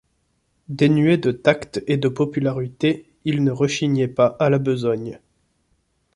Dénué de tact et de popularité, il ne rechignait pas à la besogne.